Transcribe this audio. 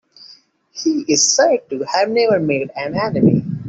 He is said to have never made an enemy.